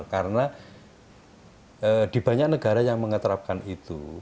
karena di banyak negara yang mengeterapkan itu